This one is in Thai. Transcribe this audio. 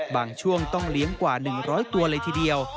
บางช่วงต้องเลี้ยงกว่า๑๐๐ตัวเลยทีเดียว